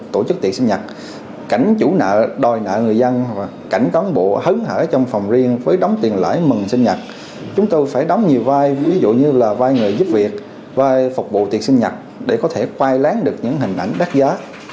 tổ chức tiệ sinh nhật cảnh chủ nợ đòi nợ người dân cảnh cán bộ hứng hở trong phòng riêng với đóng tiền lãi mừng sinh nhật chúng tôi phải đóng nhiều vai ví dụ như là vai người giúp việc vai phục vụ tiền sinh nhật để có thể khoai lán được những hình ảnh đắt giá